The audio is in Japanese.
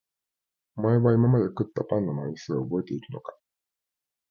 お前は今まで食ったパンの枚数を覚えているのか？